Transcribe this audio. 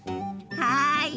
はい！